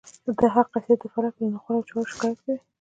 د هغه قصیده د فلک له ناخوالو او چارو شکایت کوي